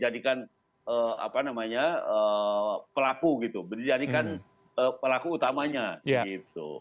jadi itu bisa dijadikan apa namanya pelaku gitu berjadikan pelaku utamanya gitu